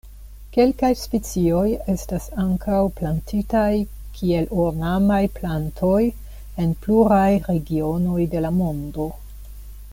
Kelkaj specioj estas ankaŭ plantitaj kiel ornamaj plantoj en pluraj regionoj de la mondo.